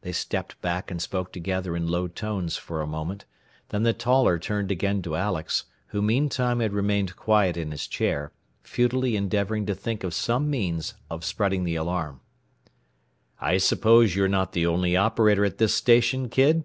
They stepped back and spoke together in low tones for a moment; then the taller turned again to Alex, who meantime had remained quiet in his chair, futilely endeavoring to think of some means of spreading the alarm. "I suppose you are not the only operator at this station, kid?"